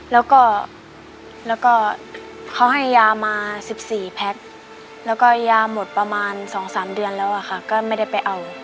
แล้วก็เขาให้ยามา๑๔แพ็คแล้วก็ยาหมดประมาณ๒๓เดือนแล้วอะค่ะก็ไม่ได้ไปเอา